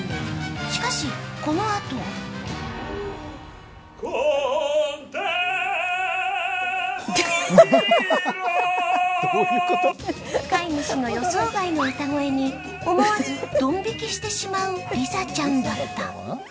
しかし、このあと飼い主の予想外の歌声に思わず、ドン引きしてしまうリザちゃんだった。